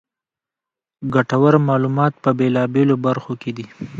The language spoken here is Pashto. ګټورمعلومات په بېلا بېلو برخو کې دي.